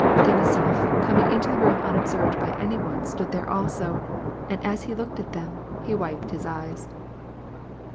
Denisof, coming into the room unobserved by any one, stood there also, and as he looked at them, he wiped his eyes.